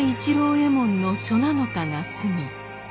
右衛門の初七日が済み。